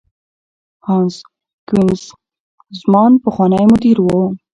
هانس کوېنیګزمان پخوانی مدیر و.